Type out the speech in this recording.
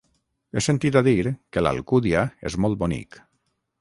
He sentit a dir que l'Alcúdia és molt bonic.